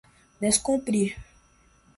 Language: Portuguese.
descumprir